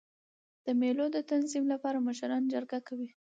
د مېلو د تنظیم له پاره مشران جرګه کوي.